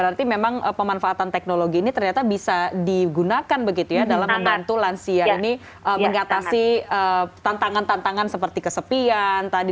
jadi memang pemanfaatan teknologi ini ternyata bisa digunakan begitu ya dalam membantu lansia ini mengatasi tantangan tantangan seperti kesepian tadi